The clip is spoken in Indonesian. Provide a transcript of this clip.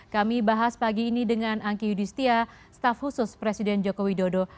kami bahas pagi ini dengan angki yudhistia staf khusus presiden joko widodo